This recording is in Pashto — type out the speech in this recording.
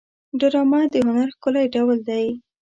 ډرامه د هنر ښکلی ډول دی